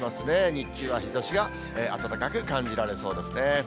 日中は日ざしが暖かく感じられそうですね。